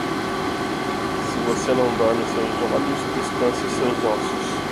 Se você não dorme seus olhos, descanse seus ossos.